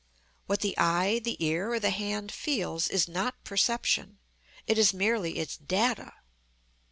What the eye, the ear, or the hand feels, is not perception; it is merely its data.